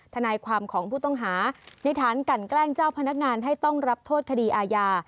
ทนายความของผู้ต้องหาในฐานกันแกล้งเจ้าพนักงานให้ต้องรับโทษคดีอาญา